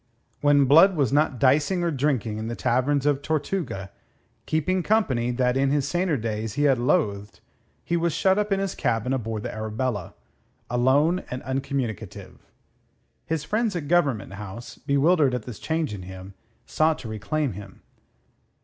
When Blood was not dicing or drinking in the taverns of Tortuga, keeping company that in his saner days he had loathed, he was shut up in his cabin aboard the Arabella, alone and uncommunicative. His friends at Government House, bewildered at this change in him, sought to reclaim him.